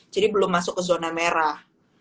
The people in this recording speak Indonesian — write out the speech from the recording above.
jadi belum masuk ke zona merah